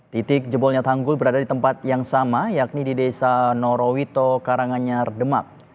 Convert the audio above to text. titik jebolnya tanggul berada di tempat yang sama yakni di desa norowito karanganyar demak